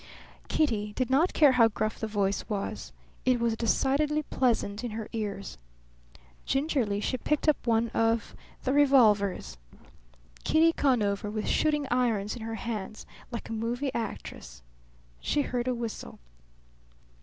Kitty did not care how gruff the voice was; it was decidedly pleasant in her ears. Gingerly she picked up one of the revolvers. Kitty Conover with shooting irons in her hands, like a movie actress! She heard a whistle.